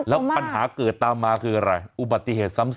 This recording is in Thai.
แล้วปัญหาเกิดตามมาคือไง